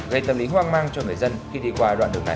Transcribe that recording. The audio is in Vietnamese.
gây tâm lý hoang mang cho người dân khi đi qua đoạn đường này